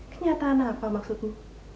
kenyataan apa maksudmu